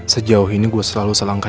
sejauh ini gue selalu selangkah